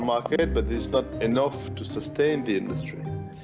tapi tidak cukup untuk menahan industri